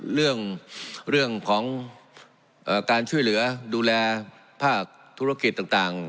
เรื่องของการช่วยเหลือดูแลภาคธุรกิจต่าง